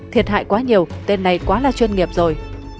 thiệt hại quá nhiều tên này quá là chuyên nghiệp rồi